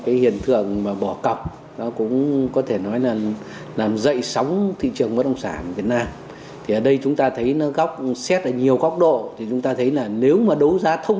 việc bỏ cọc cũng đến từ việc một số doanh nghiệp lợi dụng kẻ hở